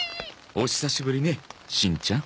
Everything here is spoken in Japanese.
お久しぶりねしんちゃん。